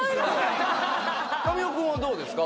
神尾君はどうですか？